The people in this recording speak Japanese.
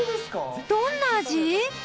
［どんな味？］